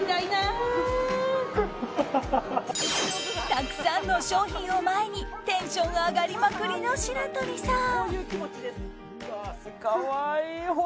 たくさんの商品を前にテンション上がりまくりの白鳥さん。